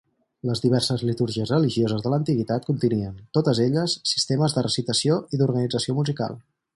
Les diverses litúrgies religioses de l'Antiguitat contenien, totes elles, sistemes de recitació i d'organització musical.